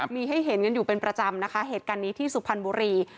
มีให้เห็นกันอยู่เป็นประจำนะคะเหตุการณ์นี้ที่สุพรรณบุรี